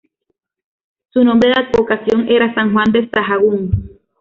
Su nombre de advocación era "San Juan de Sahagún".